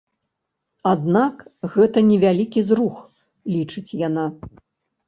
Аднак гэта невялікі зрух, лічыць яна.